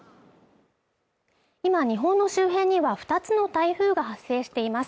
今日本の周辺には２つの台風が発生しています